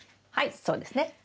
はいそうですね。